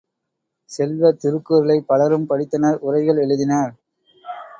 செல்வ, திருக்குறளைப் பலரும் படித்தனர் உரைகள் எழுதினர்.